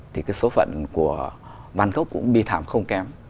thì số phận của văn hóa cũng bí thảm không kém